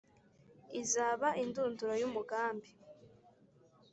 izaba indunduro y’umugambi?